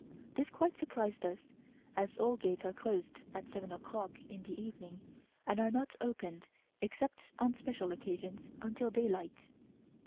This quite surprised us, as all gates are closed at seven o'clock in the evening and are not opened except on special occasions until daylight.